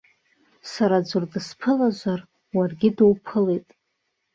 Сара аӡәыр дысԥылазар уаргьы дуԥылеит!